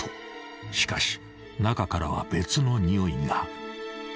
［しかし中からは別のにおいが］